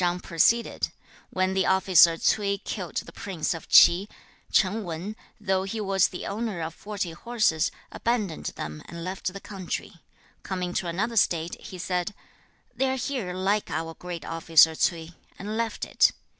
Tsze chang proceeded, 'When the officer Ch'ui killed the prince of Ch'i, Ch'an Wan, though he was the owner of forty horses, abandoned them and left the country. Coming to another State, he said, "They are here like our great officer, Ch'ui," and left it.